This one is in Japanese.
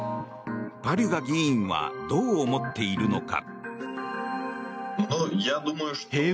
パリュガ議員はどう思っているのか。